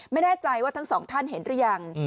ไม่แน่ใจว่าทั้งสองท่านเห็นหรือยัง